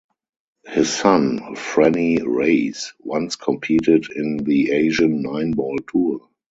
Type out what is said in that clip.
His son, Frennie Reyes, once competed in the Asian Nine-ball Tour.